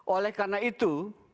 oleh karena itu